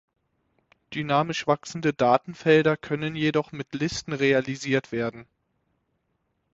Dynamisch wachsende Datenfelder können jedoch mit Listen realisiert werden.